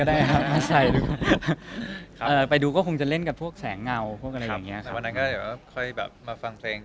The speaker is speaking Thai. ไอ้ครับใส่ไปดูก็คงจะเล่นกับพวกแสงเงางากับอีกอย่างเขาเลยก็เดี๋ยวห้อยแบบมาฟังเพลง